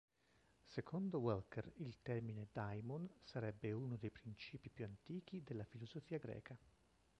Secondo Welker, il termine "daimon" sarebbe uno dei principi più antichi della filosofia greca.